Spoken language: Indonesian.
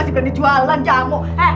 bisa berubah juga